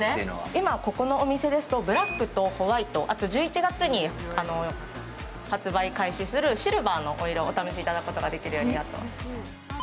今ここのお店ですとブラックとホワイト、あと１１月に発売開始するシルバーのお色をお試しいただけます。